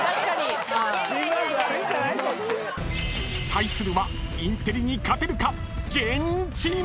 ［対するはインテリに勝てるか⁉］